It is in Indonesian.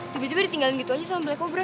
tiba tiba ditinggalin gitu aja sama black kobra